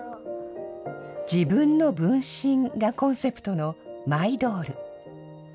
自分の分身がコンセプトのマイドール。